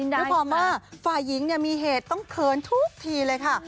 ด้วยความว่าฝ่ายหญิงมีเหตุต้องเขินทุกทีเลยค่ะ